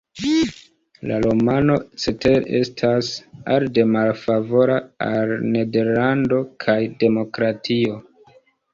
La romano, cetere, estas arde malfavora al Nederlando kaj demokratio.